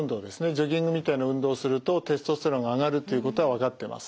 ジョギングみたいな運動をするとテストステロンが上がるということは分かってます。